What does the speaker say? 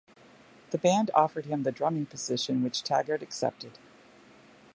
The band offered him the drumming position which Taggart accepted.